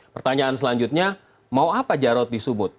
pertanyaan selanjutnya mau apa jarot di sumut